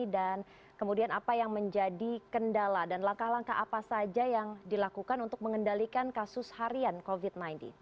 dan kemudian apa yang menjadi kendala dan langkah langkah apa saja yang dilakukan untuk mengendalikan kasus harian covid sembilan belas